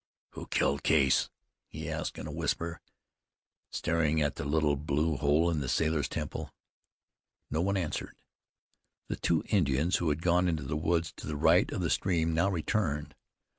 "Who killed Case?" he asked in a whisper, staring at the little blue hole in the sailor's temple. No one answered. The two Indians who had gone into the woods to the right of the stream, now returned.